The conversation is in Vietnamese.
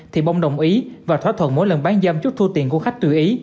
thì bông đồng ý và thỏa thuận mỗi lần bán giam trúc thu tiền của khách tự ý